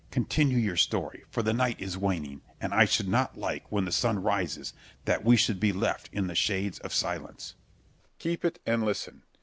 Continue your story, for the night is waning, and I should not like, when the sun rises, that we should be left in the shades of silence. Berg. Keep it and listen.